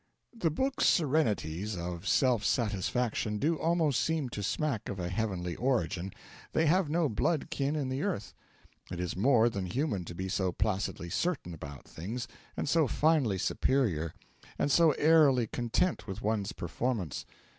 The book's serenities of self satisfaction do almost seem to smack of a heavenly origin they have no blood kin in the earth. It is more than human to be so placidly certain about things, and so finely superior, and so airily content with one's performance.